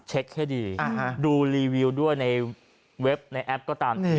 ให้ดีดูรีวิวด้วยในเว็บในแอปก็ตามที